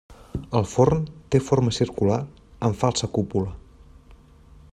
El forn té forma circular amb falsa cúpula.